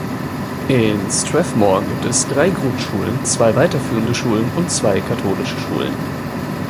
In Strathmore gibt es drei Grundschulen, zwei weiterführende Schulen und zwei katholische Schulen.